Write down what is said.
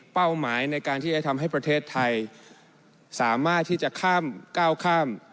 หมายในการที่จะทำให้ประเทศไทยสามารถที่จะก้าวข้าม